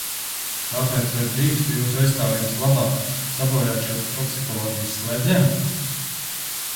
Tāpēc vai drīkstu jūsu aizstāvības labā sabojāt šo toksikoloģijas slēdzienu?